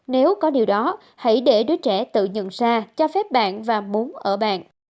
nếu có điều đó hãy để đứa trẻ tự nhận ra cho phép bạn và muốn ở bạn